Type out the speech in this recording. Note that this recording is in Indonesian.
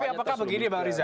tapi apakah begini bang riza